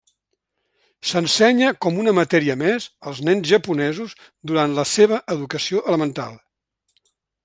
S'ensenya com una matèria més als nens japonesos durant la seva educació elemental.